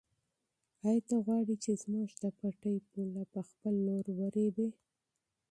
آیا ته غواړې چې زموږ د پټي پوله په خپل لور ورېبې؟